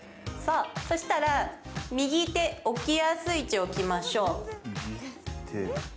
そしたら右手、置きやすい位置に置きましょう。